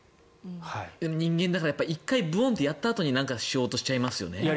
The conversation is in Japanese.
人間だから１回ブオーンやったあとにしようとしますよね。